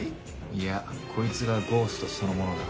いやこいつがゴーストそのものだ。